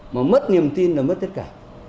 mà mất niềm tin là mất tất cả